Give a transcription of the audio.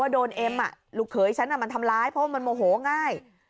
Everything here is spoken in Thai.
ว่าโดนเอมอ่ะลูกเขือฉันน่ะมันทำร้ายเพราะมันโมโหง่าย